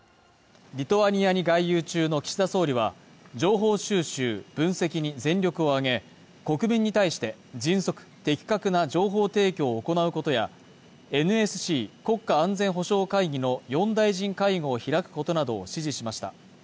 リトアニアに外遊中の岸田総理は、情報収集分析に全力を挙げ、国民に対して迅速・的確な情報提供を行うことや、ＮＳＣ＝国家安全保障会議の４大臣会合を開くことなどを指示しました。